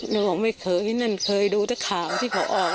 เขาบอกว่าไม่เคยอย่างนั้นเคยดูแต่ข่าวที่พอออก